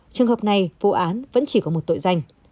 trường hợp này vụ án vẫn chỉ có một tội danh